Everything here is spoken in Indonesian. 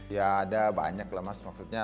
ya ada banyak lah mas maksudnya